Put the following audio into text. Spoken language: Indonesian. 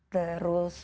terus perut saya juga